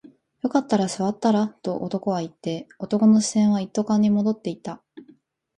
よかったら座ったらと男は言って、男の視線は一斗缶に戻っていた